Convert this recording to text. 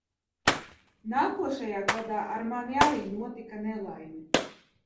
Nākošajā gadā ar mani arī notika nelaime.